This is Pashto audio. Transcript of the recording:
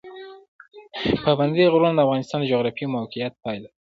پابندی غرونه د افغانستان د جغرافیایي موقیعت پایله ده.